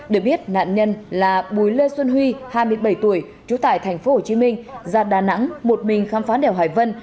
để biết nạn nhân là bùi lê xuân huy hai mươi bảy tuổi trú tại thành phố hồ chí minh ra đà nẵng một mình khám phán đèo hải vân